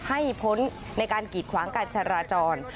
ให้พ้นในการกีดขวางกันชะระจร